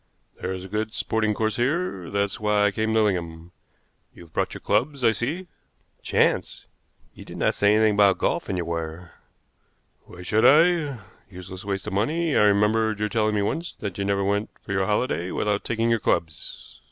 There's a good sporting course here, that's why I came to Lingham. You've brought your clubs, I see." "Chance. You did not say anything about golf in your wire." "Why should I? Useless waste of money. I remembered your telling me once that you never went for your holiday without taking your clubs.